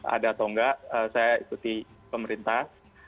ada atau enggak saya ikuti pemerintah